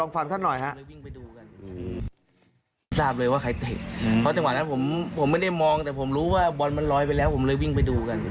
ฟุตบอลมันลอยไปแล้วผมเลยวิ่งไปดูกัน